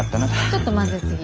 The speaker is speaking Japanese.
ちょっと混ぜすぎ。